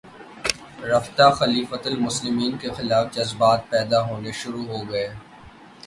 رفتہ خلیفتہ المسلمین کے خلاف جذبات پیدا ہونے شروع ہوگئے